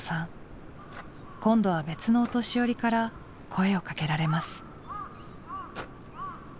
今度は別のお年寄りから声をかけられます。